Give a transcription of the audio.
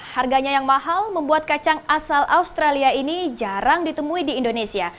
harganya yang mahal membuat kacang asal australia ini jarang ditemui di indonesia